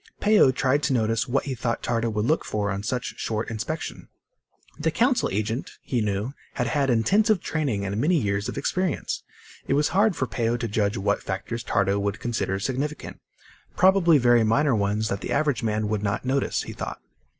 Peo tried to notice what he thought Tardo would look for on such a short inspection. The Council agent, he knew, had had intensive training and many years of experience. It was hard for Peo to judge what factors Tardo would consider significant probably very minor ones that the average man would not notice, he thought.